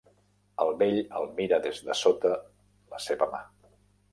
El vell el mira des de sota la seva mà.